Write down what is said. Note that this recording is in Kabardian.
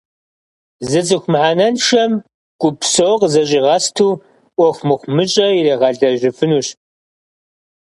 Зы цӏыху мыхьэнэншэм гуп псо къызэщӀигъэсту, Ӏуэху мыхъумыщӀэ иригъэлэжьыфынущ.